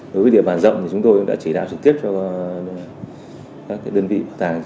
đối với địa bàn rộng chúng tôi đã chỉ đáo trực tiếp cho đơn vị bảo tàng